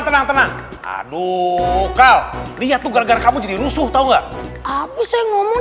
tenang tenang aduh kan lihat tugur turut kamu jadi rusuh tahu enggak aku pengen ngomong